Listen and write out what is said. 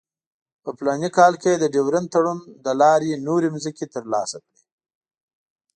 په فلاني کال کې یې د ډیورنډ تړون له لارې نورې مځکې ترلاسه کړې.